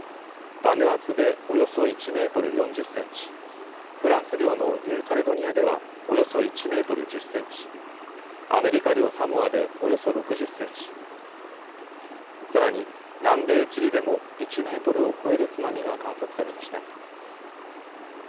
バヌアツでおよそ１メートル４０センチ、フランス領のニューカレドニアではおよそ１メートル１０センチ、アメリカ領サモアでおよそ６０センチ、さらに南米チリでも１メートルを超える津波が観測されました。